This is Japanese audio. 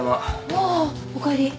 あっおかえり。